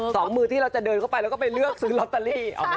สองมือที่เราจะเดินเข้าไปแล้วก็ไปเลือกซื้อลอตเตอรี่